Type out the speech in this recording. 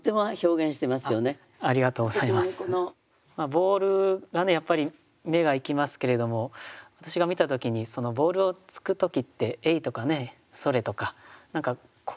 ボールがねやっぱり目がいきますけれども私が見た時にそのボールをつく時って「えい！」とかね「それ！」とか何か声を出しながらやりますね。